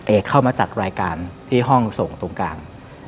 เข้ามาจัดรายการที่ห้องส่งตรงกลาง